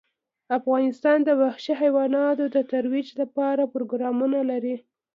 افغانستان د وحشي حیواناتو د ترویج لپاره پروګرامونه لري.